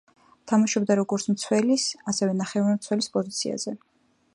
თამაშობდა როგორც მცველის, ასევე, ნახევარმცველის პოზიციაზე.